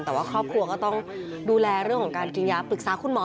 แต่ว่าครอบครัวก็ต้องดูแลเรื่องของการกินยาปรึกษาคุณหมอ